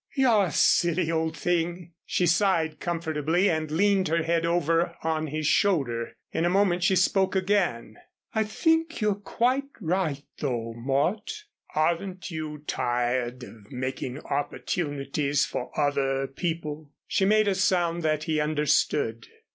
"You're a silly old thing." She sighed comfortably and leaned her head over on his shoulder. In a moment she spoke again. "I think you're quite right though, Mort." "Aren't you tired of making opportunities for other people?" She made a sound that he understood.